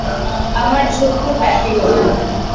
আমার ছোট্ট প্যাপিলন!